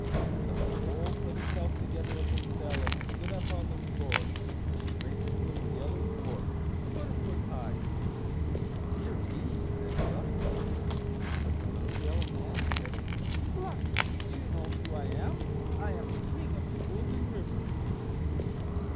And the whole put itself together as it fell, and stood up on the floor, the strangest little yellow dwarf, about a foot high! "Dear, me!" said Gluck. But the little yellow man said, "Gluck, do you know who I am? I am the King of the Golden River."